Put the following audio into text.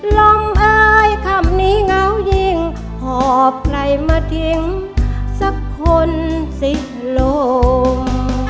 ลมอายคำนี้เหงายิ่งหอบใครมาทิ้งสักคนสิลม